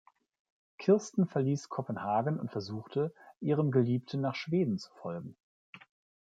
Kirsten verließ Kopenhagen und versuchte, ihrem Geliebten nach Schweden zu folgen.